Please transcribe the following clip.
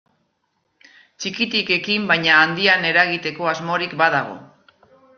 Txikitik ekin baina handian eragiteko asmorik badago.